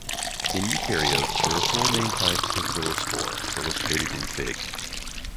In eukaryotes there are four main types of zoospore, illustrated in Fig.